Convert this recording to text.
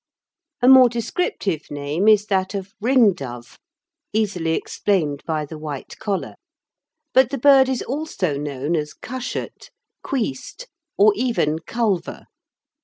A more descriptive name is that of ringdove, easily explained by the white collar, but the bird is also known as cushat, queest, or even culver.